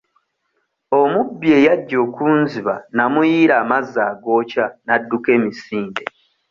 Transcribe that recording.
Omubbi eyajja okunziba namuyiira amazzi agookya n'adduka emisinde.